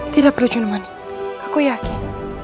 tidak perlu cuman aku yakin